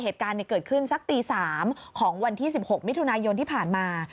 เหตุการณ์เกิดขึ้นสักตี๓ของวันที่๑๖มิถุนายนที่ผ่านมา